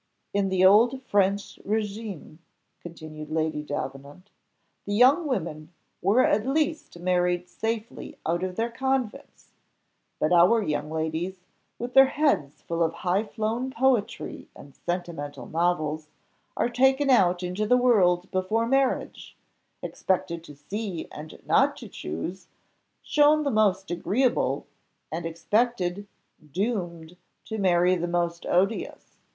"In the old French régime," continued Lady Davenant, "the young women were at least married safely out of their convents; but our young ladies, with their heads full of high flown poetry and sentimental novels, are taken out into the world before marriage, expected to see and not to choose, shown the most agreeable, and expected, doomed to marry the most odious.